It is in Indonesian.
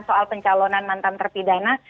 soal pencalonan mantan terpidana